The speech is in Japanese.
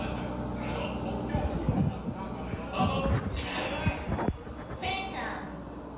それでは即興クールポコスタート。